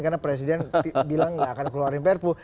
karena presiden bilang nggak akan keluarin perpu